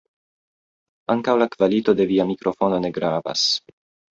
Ankaŭ la kvalito de via mikrofono ne gravas.